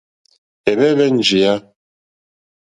Ɛ́hwɛ́ǃhwɛ́ njìyá.